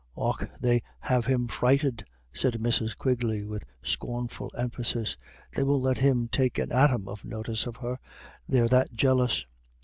"Och, they have him frighted," said Mrs. Quigley, with scornful emphasis. "They won't let him take an atom of notice of her, they're that jealous.